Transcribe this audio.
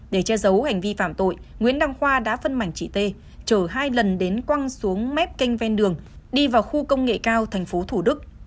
để che giấu hành vi phạm tội nguyễn đăng khoa đã phân mảnh chị t chở hai lần đến quăng xuống mép kênh ven đường đi vào khu công nghệ cao tp thủ đức